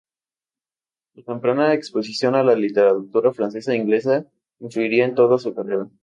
Su temprana exposición a la literatura francesa e inglesa influirá en toda su carrera.